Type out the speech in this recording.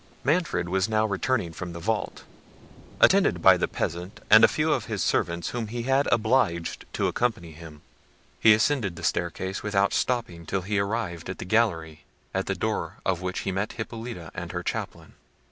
Manfred was now returning from the vault, attended by the peasant and a few of his servants whom he had obliged to accompany him. He ascended the staircase without stopping till he arrived at the gallery, at the door of which he met Hippolita and her chaplain.